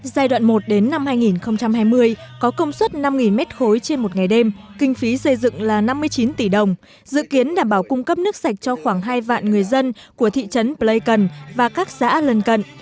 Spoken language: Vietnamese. giai đoạn một đến năm hai nghìn hai mươi có công suất năm m ba trên một ngày đêm kinh phí xây dựng là năm mươi chín tỷ đồng dự kiến đảm bảo cung cấp nước sạch cho khoảng hai vạn người dân của thị trấn blaikan và các xã lần cận